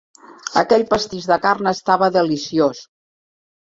Aquell pastís de carn estava deliciós.